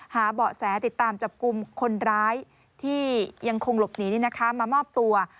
เบาะแสติดตามจับกลุ่มคนร้ายที่ยังคงหลบหนีมามอบตัว